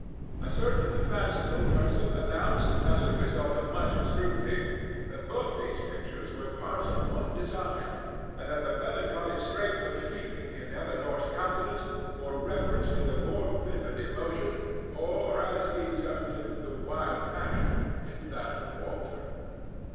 A certain fanciful person announced as the result of much scrutiny that both these pictures were parts of one design, and that the melancholy strength of feeling in Elinor's countenance bore reference to the more vivid emotion—or, as he termed it, the wild passion—in that of Walter.